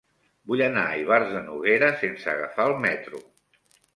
Vull anar a Ivars de Noguera sense agafar el metro.